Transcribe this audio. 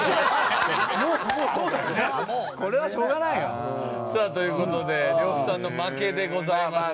「これはしょうがないよ」さあという事で呂布さんの負けでございました。